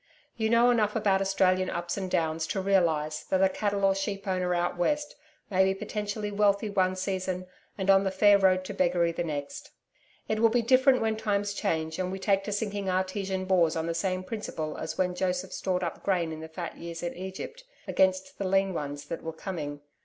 You know enough about Australian ups and downs to realise that a cattle or sheep owner out West, may be potentially wealthy one season and on the fair road to beggary the next. It will be different when times change and we take to sinking artesian bores on the same principle as when Joseph stored up grain in the fat years in Egypt against the lean ones that were coming.